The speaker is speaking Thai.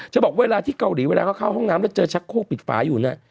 ฉันบอกเวลาที่เกาหลีเขาเข้าห้องน้ำเจอชักโครกปิดฝาอยู่นั่น